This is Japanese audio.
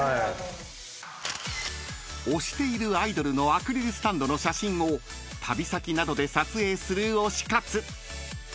［推しているアイドルのアクリルスタンドの写真を旅先などで撮影する推し活］